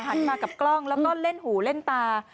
มากับกล้องแล้วก็เล่นหูเล่นตา